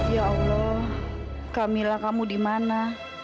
ya allah kamilah kamu di mana